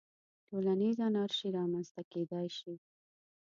ټولنیزه انارشي رامنځته کېدای شي.